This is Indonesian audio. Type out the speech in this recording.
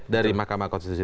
dari mahkamah konstitusi